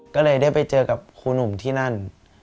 ก็เลยได้ไปเจอกับครูหนุ่มที่นั่น